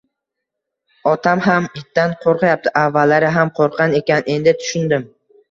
Otam ham itdan qo`rqyapti, avvallari ham qo`rqqan ekan, endi tushundim